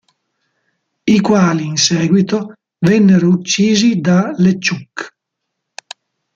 I quali, in seguito, vennero uccisi da LeChuck.